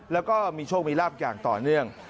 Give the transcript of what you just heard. แล้วก็มีโชคมีลาบอย่างต่อเนื่อง